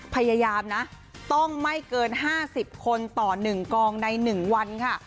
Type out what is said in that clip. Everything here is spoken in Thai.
พยายามนะต้องไม่เกินห้าสิบคนต่อหนึ่งกองในหนึ่งวันค่ะ